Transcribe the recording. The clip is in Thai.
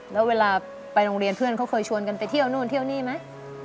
แล้วเวลาไปโรงเรียนเพื่อนเขาเคยชวนกันไปเที่ยวนู่นเที่ยวนี่ไหม